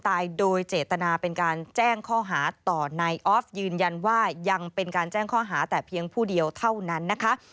ต่อนายออฟยืนยันว่ายังเป็นการแจ้งข้อหาแต่เพียงผู้เดียวเท่านั้นนะคะ